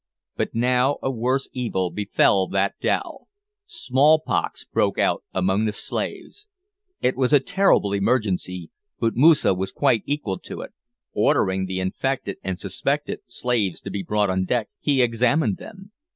But now a worse evil befell that dhow. Smallpox broke out among the slaves. It was a terrible emergency, but Moosa was quite equal to it. Ordering the infected, and suspected, slaves to be brought on deck, he examined them.